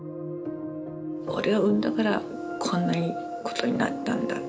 俺を産んだからこんなことになったんだって。